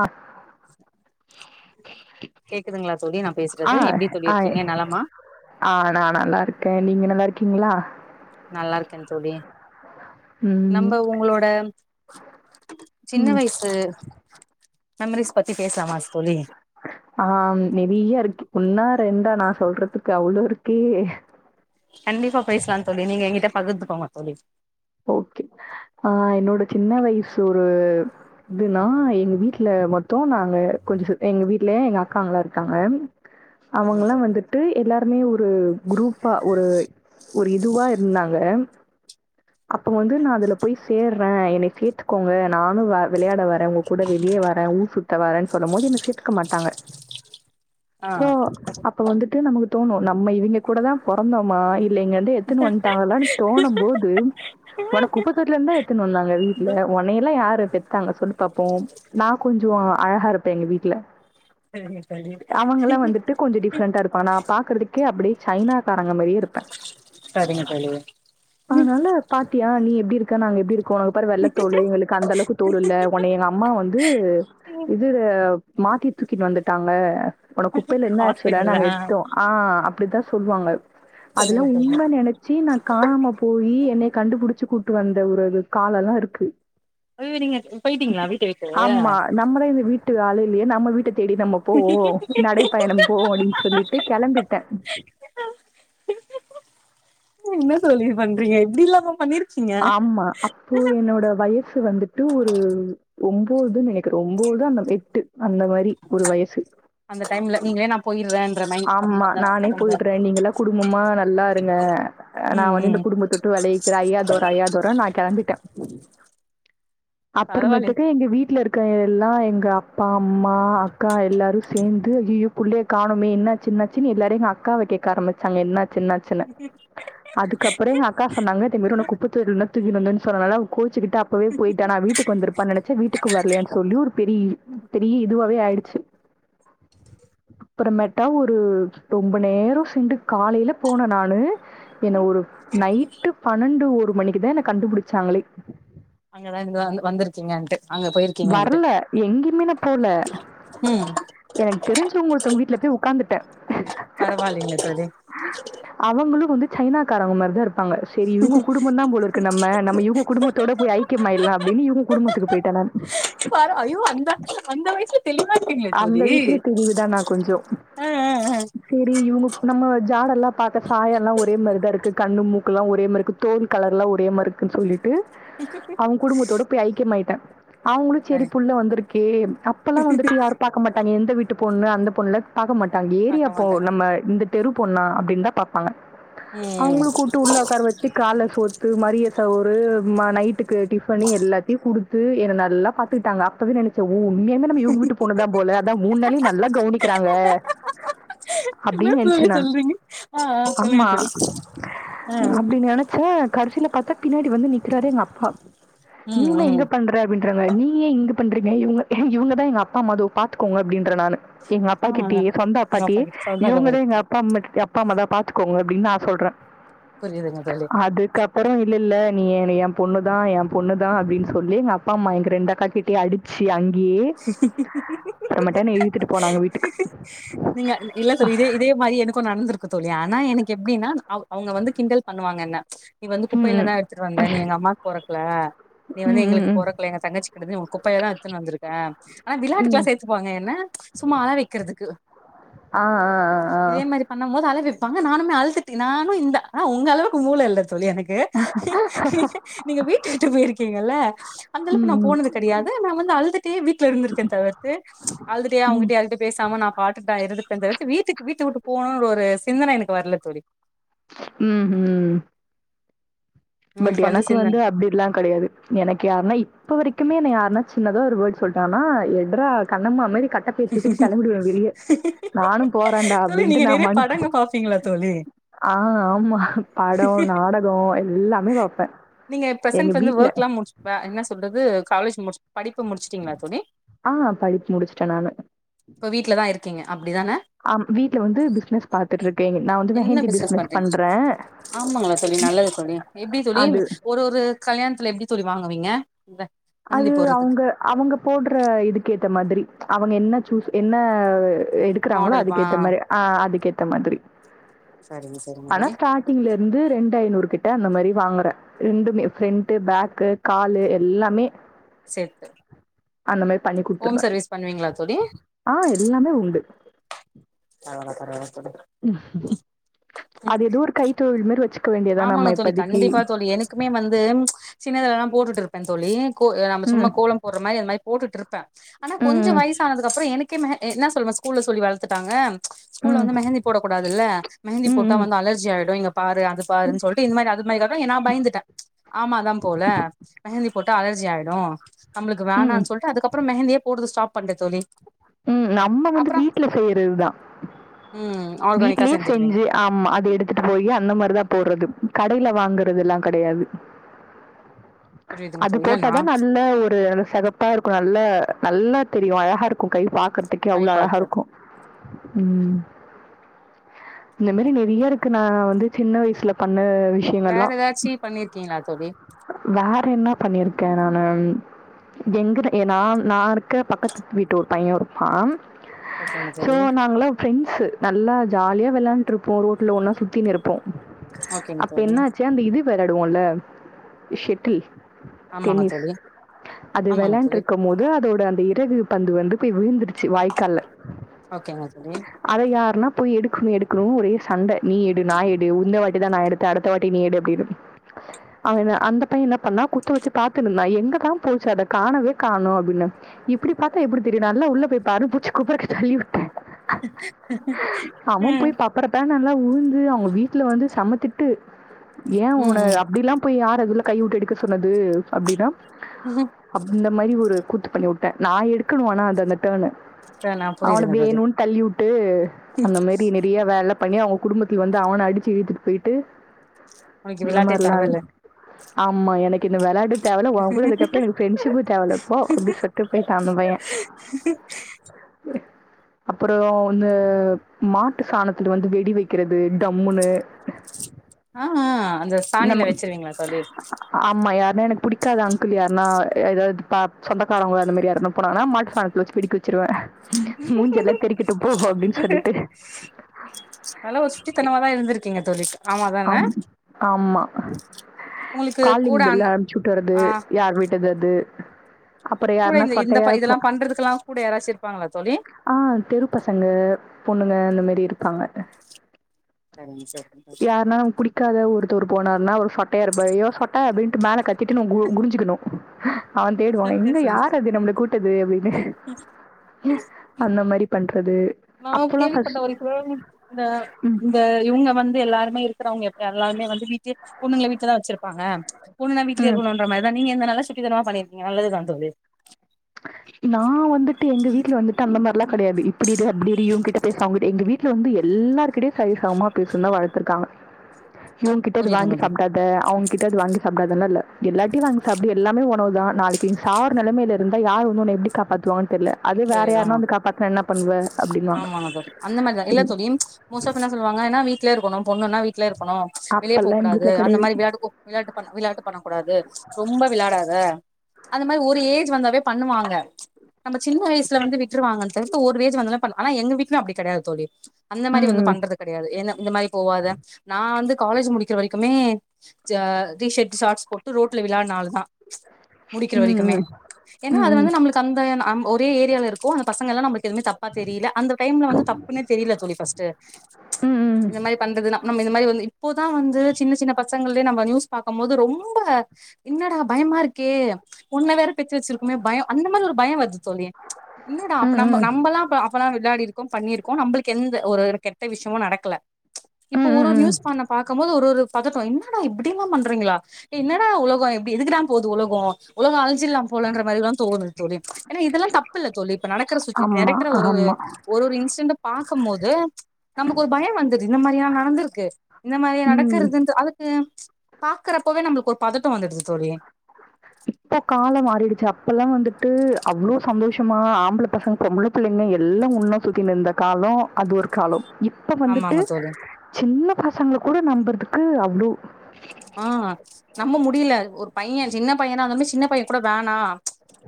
ஆ கேக்குதுங்ளா தோழி நா ஆ பேசுறது எப்டி தோழி ஆ இருக்கீங்க நலமா ஆ நா நல்லா இருக்கே நீங்க நல்லா இருக்கீங்ளா நல்லா இருக்கேன் தோழி ம் நம்ம உங்களோட சின்ன ம் வயசு மெமரிஸ் பத்தி பேசலாமா தோழி ஆ நெறையா இருக்கு ஓன்னா ரெண்டா நா சொல்றதுக்கு அவ்ளோ இருக்கே கண்டிப்பா பேசலாம் தோழி நீங்க எங்கிட்ட பகிர்ந்துகோங்க தோழி ஓகே ஆ என்னோட சின்ன வயசு ஒரு இதுன்னா எங்க வீட்ல மொத்தோ நாங்க கொஞ்சோ எங்க வீட்லயே எங்க அக்காங்கல்லா இருக்காங்க சரிங்க அவுங்கெல்லா தோழி வந்துட்டு ட்டு எல்லாருமே ஒரு குரூப்பா ஒரு ஒரு இதுவா இருந்தாங்க அப்ப வந்து நான் அதுல போய் சேர்ற என்னைய சேத்துக்கோங்க நானு வ விளையாட வரே உங்க கூட வெளியே வரே ஊர் சுத்த வரேன்னு சொல்லும் போது என்ன சேத்துக்க மாட்டாங்க ஆ சோ அப்ப வந்துட்டு நமக்கு தோணு நம்ம இவிங்க கூடதா பொறந்தோமா இல்ல இங்கந்து எத்துன்னு வந்துட்டாங்னு தோணும் போது உன்ன குப்ப தொட்டில இருந்தா எத்துனு வந்தாங்க வீட்ல உனையெல்லா யாரு பெத் தாங்க சொல்லு பாப்போம் நா கொஞ்சோ அழகா இருப்பே எங்க வீட்ல சரிங்க தோழி அவங்கல்லா வந்துட்டு கொஞ்சோ டிஃப்ரெண்ட்டா இருப்பாங்க நா பாக்கறதுக்கு கே அப்டியே சைனாக்காரங்க மாரியே இருப்பே சரிங்க தோழி அதனால பாத்தியா நீ எப்டி இருக்க நாங்க எப்டி இருக்கோ உனக்கு பாரு வெள்ள தோலு எங்களுக்கு அந்த அளவுக்கு தோலு இல்ல உன்ன எங்க அம்மா வந்து இது மாத்தி தூக்கிட்டு வந்துட்டாங்க உன்ன குப்பையில இருந்துதா ஆக்சுவலா நாங்க எடுத்தோ ஆ அப்டித்தா சொல்லுவாங்க அதுலா சரிங்க தோழி உண்மையினு நெனச்சி நா காணாம போயி என்னைய கண்டுபுடிச்சி கூட்டு வந்த ஒரு அது காலோ எல்லா இருக்கு அய்யோ நீங்க போயிட்டீங்ளா வீட்ட விட்டு நாமதா இந்த வீட்டு ஆளு இல்லையே நம்ம வீட்ட தேடி நம்ம போவோ நடைபயணம் போவோ அப்டின்னு சொல்லிட்டு கெளம்பிட்டே என்ன தோழி பண்றீங்க இப்டி இல்லாம பண்ணிருக் ஆமா அப்போ என்னோட வயசு வந்துட்டு ஒரு ஒன்போது நெனைக்கிறே ஒன்போது அந்த எட்டு அந்த மாரி ஒரு வயசு அந்த டைம்ல நீங்களே நம் போயிட்ற இன்ற மாரி ஆமா நானே போயிட்ற நீங்கல்லா குடும்பமா நல்லா இருங்க நா ம் வந்த இந்த ம் குடும்பத்த விட்டு விலகிக்கற ஐயா தோர ஐயா துரன்னு கெளம்பிட்ட பரவால்ல அப்பறமேட்டுக்கு எங்க வீட்ல இருக் கா எல்லா எங்க அப்பா அம்மா அக்கா எல்லாரு சேந்து அய்யய்யோ புள்ளய காணும் மே என்ன ஆச்சி என்ன ஆச்சி எல்லாரு எங்க அக்காவ கேட்க ஆரம்பிச்சாங்க என்னாச்சி என்னாச்சின்னு அதுக்கப்பறோ எங்க அக்கா சொன்னாங்க இதே மேரி உன்ன குப்ப தொட்டியில் இருந்து தா தூக்கிட்டு வந்தோன் சொன்னனால அவ கோச்சிக்கிட் டு அப்பவே போயிட்டா நா வீட்டுக்கு வந்திருப்பா நனச்ச வீட்டுக்கு வர்லையன் சொல்லி ஒரு பெரிய பெரிய இதுவவே ஆயிடுச்சு அப்புறமேட்டா ஒரு ரொம்ப நேரோ சென்டு காலையில போன நானு என்ன ஒரு நைட்டு பன்னெண்டு ஒரு மணிக்குதா என் கண்டுபிடிச்சாங்ளே அங்கதாஇங்கோ வந்திருக்கீங்கன்ட்டு அங்க போயிருக்கீங்கன்ட்டு வர்ல எங்கியுமே நா போல ம் எனக்கு தெரிஞ்சவுங்க ஒருத்தவுங்க வீட்ல போய் உட்கார்ந்துட்ட பரவால்லிங்க தோழி அவுங்ளு வந்து சைனாக்காரங்க மாரிதா இருப் பாங்க சரி இவங்க குடும்பம தான் போல இருக்கு பாங்க செரி இவுங்க குடும்பந்தா பஷல நம்ம சஐக்கியமயிடலாம் அப்படின்னு இவங்க குடும்பத்துக்கு போயிட்டே நான் பரா ஐயோ அந்த அந்த வயசுல தெளிவா இருக்கீங்களே அந்த தோழி வயஸ்லியே தெளிவு தா நா கொஞ்சோ ஆ ஆ ஆ செரி இவுங்க நம்ம ஜாடல்லா பாக்க சாயல் எல்லாம ஒரே மாரிதாஇருக்கு கண்ணு மூக்கு எல்லா ஒரே மாரிக்கு தோள் கலர்லா ஒரே மார் இருக்குன் சொல்லிட்டு ம் மம் உ ஔகுடும்பத்தோட போய் ஐக்கியம் ஆயிட்ட அவங்ளு செரி சரி புள்ள வந்திருக்கே அப்பெல்லா வந்துட்டு யாரு பாக்க மாட்டாங்க எந்த வீட்டு பொண்ணு அந்த பொண்ணுல பார்க்க மாட்டாங்க ஏரியா பாக்க போ மாட்டே நம்ம இந்த தெரு பொண்ணா அப்டின் தா பாப்பாங்க ம் அவுங்ளு கூட்டு உள்ள உக்கார வச் ட்டு கால்ல சோத்து மரிய சோறு ம் நைட்டுக்கு டிஃபன் எல்லாத்தையு குடுத் துட்டு என நல்லா பாத்துக்கிட்டாங்க அப்பவே நெனச்ச ஒ உண்மையே நம்ம இவுங்க வீட் டு௱பொண்ணுதா போல அதா மூணு வேளையு நல்லா கவனிக்கிறாங்க என்ன அப்டின் நெனைச்ச தோழி நான் சொல்றீங்க ஆ ஆ சொல்லுங்க ஆமா தோழி ஆ அப்டி நெனச் ச கடைசியில பார்த்தா பின்னாடி வந்து நிக்கிறாரரு எங்க அப்பா நீ ம் என்ன ம் இங்க பண்ற அப்படின்றங்க நீயே இங்க பண்றீங்க இவுங்க இவுங்கதா எங்க அப்பா மது பாத்துக்கோங்க அப்டின்ற நானு எங்க ஆ அப்பா கிட்டயே சொந்த உங்க அப்பா அப்பாடியே கிட்ட இவுங்க சௌந்தரக்கா தா கிட்ட எங்க அப்பா அம்மா அப்பா அம்மா தா பாத்துக்கோங்க அப்டின் நா சொல்ற புரிதுங்க தோழி அதுக்கப்புறோ இல்லல்ல நீ என் பொண்ணுதா என் பொண்ணுதா அப்டின் சொல்லி எங்க அப்பா அம்மா எங்க ரெண்டு அக்கா கிட்டடியு அடி ச்சி அங்கேயே ஹி ஹி ஹி அப்புறமேட்டா என்ன இழுத்துட்டு போனாங்க வீட்டுக்கு நீங்க இல்ல சொல்ல இதே இதே மாரி எனக்கு நடந்திருக்கு தோழி ஆனா எனக்கு எப்டின்னா அவுங்க வந்து கிண்டல் பண்ணுவாங்க என்ன நீ வந்து ம், குப்பையில ம். தா எடுத்துட்டு வந்த நீ எங்க அம்மாக் பொறக்ல நீ வந்து ம், ம், எங்களுக் ம். பொறக்ல எங்க தங்கச்சி கெடயாது உன்ன குப்பையில் தா எடுத்துன் வந்துருக் ஆனா ம். விளையாட்டுக்கெல்லா சேர்த்துப்பாங்க என்ன சும்மா அழ வைக்கிறதுக்கு ஆ ஆ ஆ ஆ ஆ இந்த மாரி பண்ணும் போது அழ வைப்பாங்க நானும் அழுதுட்டு நானு இந்த ஆனா உங்க அளவுக்கு மூள இல்ல தோழி எனக் கு நீங்க வீட்டு விட்டு போயிருக்கீங்கல்ல அந்த ம், அளவுக்கு நா ம், போனது கெடையாது நா வந்து அழுதுட் டே வீட்ல இருந்து இருக்கே தவிர்த்து அழுதுட்டடே ம். அவுங்கிட்டே யார்கிட்டயு பேசாம நா பாட்டுக்கு நா இருந்துரப்பே தவிர்த்து வீட்டுக் வீட்ட உட்டு போனோ ஒரு யோஸ் சிந்தன எனக்கு வர்ல தோழி ம்ஹூ பட் உங்களுக்கு வந்த எனக்கு சிந்தன வந்து அப்டில்லா கெடையாது எனக்கு யார்ன்னா இப்ப வரைக்குமே என்ன யார்ன்னா சின்னதா ஒரு வேர்ட் சொல்ட்டாங்னா எட்ரா கண்ணமா மாரி கட்டப் பை தூக்கிட்டு கெளம்பிடுவே வெளியே நானு போறண்டா தோழி அப்டின்ட் நீங்க நா நெறைய பாட்ன்னு படங்க பாப்பீங்களா தோழி ஆ ஆமா படோ நாடகோ எல்லா நீங்க பிரசென்ஸ் வந்து வொர்க்ல்லா முடிச் ப என்ன சொல்றது காலேஜ் முடிச் படிப்ப முடிச்ட்டீங்ளா தோழி ஆ படிப் முடிச்சுட்டே நானு இப்போ வீட்ல தா இருக்கீங்க அப்டிதானே ஆம் வீட்ல வந்து பிஸ்னஸ் பாத்துட்டுருக்கேங் நா வந்து மெஹந்தி பிஸ்னஸ் பண்றே ஆமாங்ளா தோழி நல்லது தோழி எப்டி தோழி அது ஒரு ஒரு கல்யாண்த்ல எப்டி தோழி வாங்குவீங்க மெஹந்தி அது போடுறதுக்கு அவுங்க அவுங்க போடுற இதுக்கு ஏத்த மாதிரி அவங்க என்ன சூஸ் என்ன எடுக்றாங்ளோ மாடல் ஆ அதுக்கேத்த மாரி ஆ அதுக்கேத்த மாதிரி சரிங்க சரிங்க ஆனா தோழி ஸ்டார்ட் டிங்ல இருந்து ரெண்டு ஐநூறு கிட்ட அந்த மாரி வாங்குறே ரெண்டுமே ஃப்ரண்ட் பேக்கு காலு எல்லாமே சேத்து அந்த மாரி பண்ணி ஹோம் குடுத்துருவேன். சர்வீஸ் பண்ணுவீங்ளா தோழி ஆ எல்லாமே உண்டு பரவால்ல பரவால்ல தோழி அது எதோ ஒரு கைத்தொழில் மாரி வச்சுக்க வேண்டியதா நம்ம இப்பதக்கி எக்குமே வந்து சின்னதால்லா போட்டுட்டு இருப்பே தோழி கோ நம்ப சும்மா ம். கோலம் போடுற மாரி அந்த மாரி போட்டுட்டுருப் பே ஆனா கொஞ்சோ ம். வயசானதுக்கப்றோ எனக்கே மெ என்ன சொல்ம ஸ்கூல்ல சொல்லி வளத்துட்டாங்க ஸ்கூல்ல ம். வந்து மெஹந்தி போடக் கூடாதுல்ல மெஹந்தி ம். போட்டா ம். வந்து அலர்ஜி ஆயிடு இங்க பாரு அது பாருன் சொல்ட்டு இந்மாரி அது மாரி காட்ன நா பயந்துட்டே ஆமா தா போல மெஹந்தி போட்டா அலர்ஜி ஆயிடு நம்ப்ளுக்கு ம். வேணான் சொல்ட்டு அதுக்கப்றோ மெஹந்தியே போடுறத ஸ்டாப் பண்ட்டே தோழி ம் நம்ம வந்து அப்புறோ வீட்ல செய்றதுதா ம் ஆர்கானிக்கா வீட்லயே செஞ்சுடுவீங்க செஞ்சு ஆமா அது எடுத்துட்டு போயி அந்த மாரிதா போட்றது கடைல வாங்குறதுலா கெடயாது புரியுதுங்க அது தோழி இல்ல நா போட்டாதா நல்ல ஒரு செகப்பா இருக்கு நல்ல நல்லா தெரியு அழகா இருக் கு கை பாக்றதுக்கே ட்ரை அவ்ளோ அழகா பாக்குறது இருக்கு ம் இந்த மாரி நறைய இருக்கு நா வந்து சின்ன வயச்ல பண்ண விஷ் வேற எதாச்சி பண்ணிருக்கீங்ளா தோழி வேற என்ன பண்ணிருக்கே நானு எங்குட்டு நான் நா இருக்க பக்கத்து வீட்டூர் பய்யோ இருப்பா ஓகேங்க சோ தோழி நாங்ளா ஃப்ரெண்ட்ஸ் நல்லா ஜாலியா வெளாண்ட்டு இருப்போ ரோட்ல ஒன்னா சுத்தின்னு இருப்போ ஓகேங்க அப்ப தோழி இன்னா ஆச்சு அந்த இது வெளாடுவோல ஷெட்டில் ஆமாங்க டென்னிஸ் தோழி அது ஆமாங்க வெளாண்ட்டு தோழி இருக்கமோது அதோட அந்த இறகு பந்து வந்து போய் விழுந்துடுச்சு வாய்க்கால்ல ஓகேங்க தோழி அத யாருன்னா போய் எடுக்ணு எடுக்ணு ஒரே சண்ட நீ எடு நா எடு உந்த வாட்டிதா நா எடுத் த அடுத்த வாட்டி நீ எடு அப்டினு அங்க அந்த பய்ய என்ன பண்ணா குத்த வச்சு பாத்துனுருந்தா எங்கதா போச்சு அத காணவே காணு அப்டின்னு இப்டி பாத்தா எப்டி தெரியு நல்லா உள்ள போய்ப்பாருனு புட்ச்சு குப்புறக்க தள்ளிவிட்டே அவ ம் போய் பப்பறப்பானு நல்லா உழுந்து அவுங்க வீட்ல வந்து செம திட்டு ஏ ஒன ம் அப்டிலா போய் யார் அதுல கைவிட்டு எடுக்க சொன்னது அப்டினா ம் அப் அந்தமேரி ஒரு கூத்து பண்ணி உட்டே நா எடுக்கணும் ஆனா அது அந்த டேன்னு ச நா அவன புரியுதுங்க தோழி வேணும்ன்னு தள்ளிவுட்டு அந்த மேரி நெ இப்பிடியே வேல பண்ணி அவங்க குடும்பத்துல வந்து அவன அடிச்சு இழுத்துட்டு போயிட்டு உனக்கு இந்த விளாட்டே மாரில்லா தேவல்ல ஆமா எனக்கு இந்த விளாட்டு தேவல்ல ஓ கூட இருக்கிறப்ப எனக்கு ஃப்ரெண்ட்ஷிப்பு தேவ இல்ல போ அப்டி சொல்லிட்டு போய்ட்டா அந்த பைய [unintelligible] அப்பறோ இந்த மாட்டு சாணத்துல வந்து வெடி வைக்கிறது டம்முன்னு ஆ ஆ ஆ அந்த சாணில நம்ம வச்சிருவீங்களா தோழி ஆமா யாருன்னா எனக்கு புடிக்காத அங்கிள் யாருனா ஏதாவது ப சொந்தக்காரவங்க அந்த மாரி யாருனா போனனா மாட்டு சாணத்துல வச்சு வெடிக்க வச்சிருவே மூஞ்செல்லா தெறிக்கட்டு போ அப்டின்னு சொல்லிட்டு நல்லா ஒரு சுட்டி தனமா தா இருந்திருக்கீங்க தோழி ஆமா தான ஆம் ஆமா உங்களுக்கு காலிங் கூட அன் பெல்ல அனும்புச்சு விட்டு வறது ஆ யார் வீட் டுதது கூட இந்த ப இதெல்லா பண்றதுக்குல்லா கூடயாராச்சும் இருப்பாங்களா தோழி ஆ தெரு பசங்க பொண்ணுங்க இந்த மேரி இருப்பாங்க சரிங் தோழி யாருனா புடிக்காத ஒருத்தர்ரு போனாருன்னா அவரு சொட்டையா இருப்பாரு யோ சொட்ட அப்டின்ட்டு மேல கட் கிட்டணும் கு குனிஞ்சுக்கணும் அவன் தேடுவான் சரி எங்க சொல்லிச்சு யார் அது நம்மளை கூட்டது அப்டின்னு அந்த மாரி பண்றது நா அப்பல்லா கேள்விப்பட்ட ஃபஸ்ட் வரைக்கும் இந்த ம் இந்த இவங்க வந்து எல்லாருமே இருக்கறவங்க இப்ப எல்லாருமே வந்து வீட்லே பொண்ணுங்கள வீட்லதா வச்சிருப்பாங்க பொண்ணுான வீட்லயே ம் இருக்கணுன்ற மாதிரி நீங்க நல்ல சுட்டி தனமா பண்ணிருக்கீங்க நல்லதுதா தோழி நா வந்துட்டு எங்க வீட்ல வந்துட்டு அந்த மாரிலா கெடையாது இப்டி இரு அப்டி இரு இவங்க கிட்ட பேசு அவங்க கிட்ட பேசு எங்க வீ ட்ல வந்து எல்லார்கிட்டயு சரி சரிசமமா பேசுன்னு தான் வளத்திருக்காங்க இவங்க கிட்ட அத வாங்கி புரியுதுங்க தோழி சாப்படாத அ அவங்ககிட்ட அது வாங்கி சாப்பிடாதல்லா இல்ல எல்லார்கிட்டயு வாங்கி சாப்டு எல்லாம உணவு தா நாளைக்கி நீ சாகுர நிலமைள இருந்தா யாரு வந்து ஒன்ன எப்டி காப்பாத்துவாங்க தெர்ல அது வேற சரி யாருன்ன ஆமா வந்து காப்பாத்தனா என்ன பண்ணுவ அப்படின்வாங்க ஆமாங்க தோழி அந்தமாரி நறையா தோழி மோஸ்ட் ஆப் என்ன சொல்வாங்கன்னா வீட்லயே இருக்கணு பொண்ணுன்ன வீ்ட்லயே இருக்கணும் வெளியே போக அப்பெல்லாம் எங்கள் கூடாது வீட்டில் அந்த மாரி கிடையாது விளையாட்டு விளையாட்டு விளையாட்டு பண்ணக்க கூடாது ரொம்ப விளையாடாத அந்த மாரி ஒரு ஏஜ் வந்தாவே பண்ணுவாங்க நம்ம சின்ன வயசுல வந்து விட்டுவாங்க தவிர்த்து ஒரு ஏஜ் வந்தோன பன் ஆனா எங்க வீட்ல அப்டி கெடையாது தோழி அந்த மாரி வந்து ம் பண்றது கெடையாது ஏன்ன இந்த மாரி போவாத நா வந்து காலேஜ் முடிக்கிற வரைக்குமே ஜ டீ ஷர்ட் ஷாட்ஸ் போட்டு ரோட்ல விளையாடன ஆள்தா முடிக்கிற வரைக்குமே ம் ம் ஏன்னா அது ம் வந்து நம்மளுக்கு அந்த அம் ஒரே ஏரியாவுல இருக்குறோ அந்த பசங்க எல்லா நமக்கு நிப்பா தப்பா தெர்ல அந்த டைம்ல வந்து தப்புனே தெரில தோழி ஃபஸ்ட் ம் ம் இந்த மாரி பண்றதுல்லா நம்ம இந்த மாரி வந்து இப்போதா வந்து சின்ன சின்ன பசங்கலயே நம்ம நியூஸ் பாக்கும் போது ரொம்ப என்னடா பயமா இருக்கே பொண்ண வேற பெத்து வச்சிருக்குமே பயம் அந்த மாரி ஒரு பயம் வருது தோழி என்னடா ம் அப்ப நம்ம ம் நம்மல்லாம் அவெல்லாம் விளையாடி இருக்கோம் பண்ணிருக்கோம் நம்மளுக்கு எந்த ஒரு கெட்ட விஷயமும் நடக்கல இப்போ ம் ஒரு ம் ஒரு ம் நியூஸ் பண்ண பாக்கும் போது ஒரு ஒரு பதட்டம் என்னடா இப்டிலாம் பண்றீங்களா என்னடா உலகம் இப்டி எதுக்குடா போது உலகோ உலகோ அழஞ்சிடலாம் போலன்ற மாதிரில்லாம் தோணுது தோழி ஏன்னா இதெல்லாம் தப்பு இல்ல தோழி இப்ப நடக்கிற சுட்டுவே ஆமா நினைக்கிற ஒரு ஒரு ஆமா ஒரு ஒரு இன்சிடெண்டை பார்க்கும் போது நமக்கு ஒரு பயம் வந்துருது இந்த மாரியா நடந்திருக்கு இந்த மாரியா ம் நடக்கறதுன்ட்டு அது கு பாக்குறப்போவே நம்மளுக்கு ஒரு பதட்ட வந்துடுது தோழி இப்போ கால மாறிடுச்சு அப்பல்லா வந்துட்டு அவ்ளோ சந்தோஷமா ஆம்பள பசங்க பொம்பள பிள்ளைங்க எல்லா உன்னு சுத்தினு இர்ந்த காலோ அது ஒரு காலோ இப்ப வந்துட்டு ஆமாங்க தோழி சின்ன பசங்கள கூட நம்பற்துக்கு அவ்ளோ ஆ நம்ம முடிய்ல ஒரு பைய சின்ன பையனா வந்தோனிமே சின்ன பைய கூட வேணா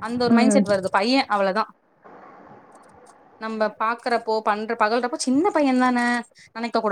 அந்த ஒரு மைண்ட் ம். செட் வருது பைய அவ்ளோதா நம்ப பாக்குறப்போ பண்ற பகல்றப்ப சின்ன பையந்தான நனைக்க கூட